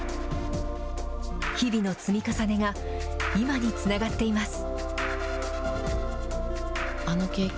日々の積み重ねが今につながっています。